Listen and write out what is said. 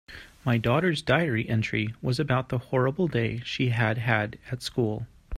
My daughter's diary entry was about the horrible day she had had at school.